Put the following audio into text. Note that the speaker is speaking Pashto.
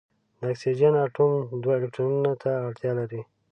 د اکسیجن اتوم دوه الکترونونو ته اړتیا لري.